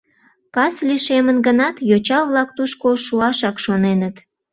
Кас лишемын гынат, йоча-влак тушко шуашак шоненыт.